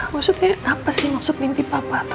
maksudnya apa sih maksud mimpi papa